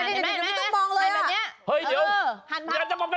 เฮ้ยเดี๋ยวหั่นผัก